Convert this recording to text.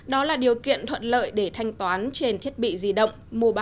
đó là điều kiện thuận lợi để thanh toán trên thiết bị di động